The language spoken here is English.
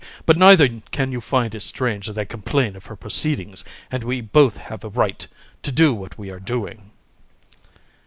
But neither can you find it strange that I complain of her proceedings; and we both have a right to do what we are doing.